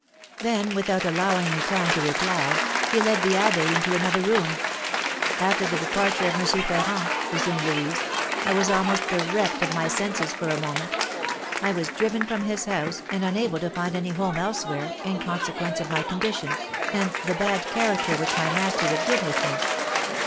Then, without allowing me time to reply, he led the abbé into another room. After the departure of M. Ferrand," resumed Louise, "I was almost bereft of my senses for a moment. I was driven from his house, and unable to find any home elsewhere, in consequence of my condition, and the bad character which my master would give with me.